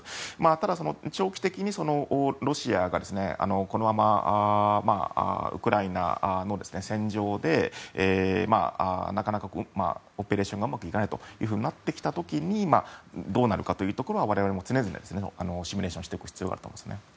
ただ、長期的にロシアがこのままウクライナの戦場でなかなかオペレーションがうまくいかないというふうになってきた時にどうなるかというところは我々も常々シミュレーションしていく必要があると思いますね。